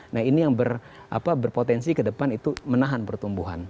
nah ini yang berpotensi ke depan itu menahan pertumbuhan